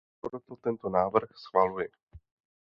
Proto tento návrh schvaluji.